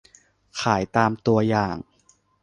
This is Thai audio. ขายตามตัวอย่าง